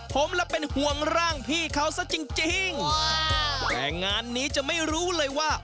ผมละเป็นห่วงร่างพี่เขาซะจริงแต่งานนี้จะไม่รู้เลยว่า